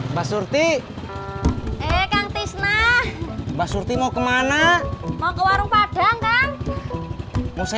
mbak surti eh kang tisnah mbak surti mau kemana mau ke warung padang kan mau saya